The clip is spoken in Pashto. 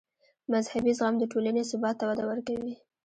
مذهبي زغم د ټولنې ثبات ته وده ورکوي.